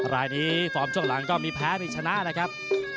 รายนี้ฟอร์มช่วงหลังก็มีแพ้มีชนะนะครับ